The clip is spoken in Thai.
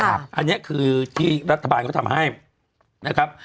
อันนี้คือที่รัฐบาลเขาทำให้นะครับ